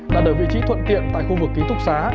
đạt được vị trí thuận tiện tại khu vực ký túc xá